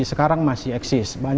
sekarang masih eksis